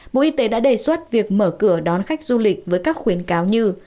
bộ y tế đã đề xuất việc mở cửa đón khách du lịch với các khuyến cáo như